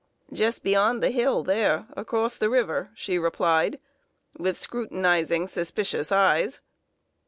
"Just beyond the hill there, across the river," she replied, with scrutinizing, suspicious eyes.